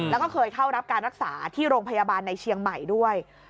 แล้วก็เคยเข้ารับการรักษาที่โรงพยาบาลในเชียงใหม่ด้วย